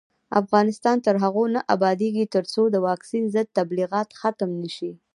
افغانستان تر هغو نه ابادیږي، ترڅو د واکسین ضد تبلیغات ختم نشي.